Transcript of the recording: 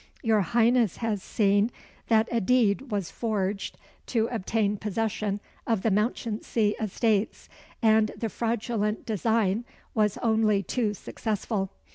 "Your Highness has seen that a deed was forged to obtain possession of the Mounchensey estates and the fraudulent design was only too successful.